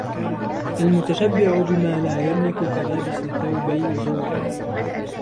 الْمُتَشَبِّعُ بِمَا لَا يَمْلِكُ كَلَابِسِ ثَوْبَيْ زُورٍ